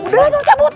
udah langsung cabut